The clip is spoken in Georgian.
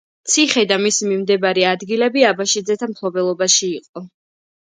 ციხე და მისი მიმდებარე ადგილები აბაშიძეთა მფლობელობაში იყო.